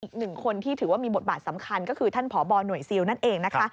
อีกหนึ่งคนที่ถือว่ามีบทบาทสำคัญก็คือท่านพบหน่วยซิลนั่นเองนะคะ